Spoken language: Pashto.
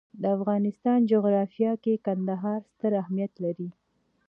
د افغانستان جغرافیه کې کندهار ستر اهمیت لري.